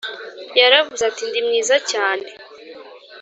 yaravuze ati ndi mwiza cyane